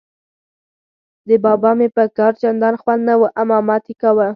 د بابا مې په کار چندان خوند نه و، امامت یې کاوه.